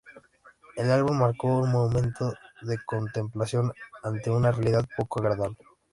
El álbum marcó un momento de contemplación ante una realidad poco agradable.